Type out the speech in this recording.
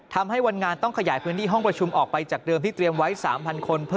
ทำให้วันงานต้องขยายพื้นที่ห้องประชุมออกไปจากเดิมที่เตรียมไว้๓๐๐คน